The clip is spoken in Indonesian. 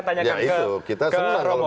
nanti kita akan tanyakan ke romo